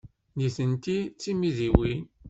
Nitenti d timidiwin.